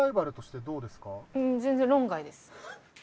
全然論外です。